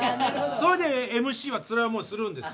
それでＭＣはつらい思いするんです。